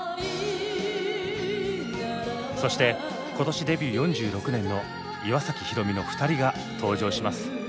そして今年デビュー４６年の岩崎宏美の２人が登場します。